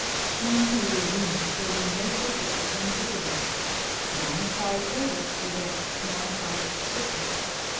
In her little room there were no portraits of them visible. But on a side table stood a small carved triptych.